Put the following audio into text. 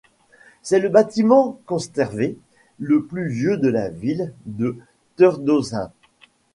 C'est le batiment constervé le plus vieux de la ville de Tvrdošín.